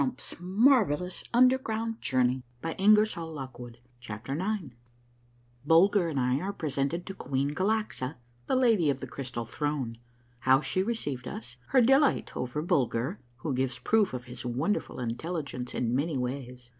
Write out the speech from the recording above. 56 A MARVELLOUS UNDERGROUND JOURNEY CHAPTER IX BULGER AND I ARE PRESENTED TO QUEEN GALAXA, THE LADY OF THE CRYSTAL THRONE. — HOW SHE RECEIVED US. — HER DELIGHT OVER BULGER, WHO GIVES PROOF OF HIS WONDERFUL INTELLIGENCE IN IVIANY WAYS.